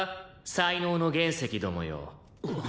才能の原石どもよ」